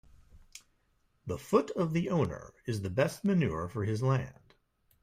The foot of the owner is the best manure for his land.